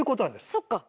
そっか。